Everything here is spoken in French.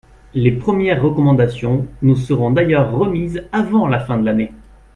Les premières recommandations nous seront d’ailleurs remises avant la fin de l’année.